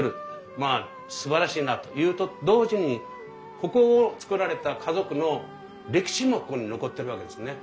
まあすばらしいなというと同時にここを造られた家族の歴史もここに残ってるわけですね。